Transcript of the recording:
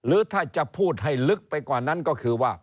หรือถ้าจะพูดให้ลึกไปกว่านั้นก็คือว่า